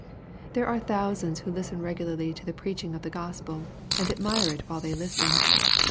There are thousands who listen regularly to the preach ing of the Gospel, and ad mire i t while they listen.